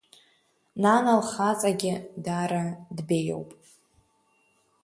Нана лхаҵагьы дара дбеиоуп.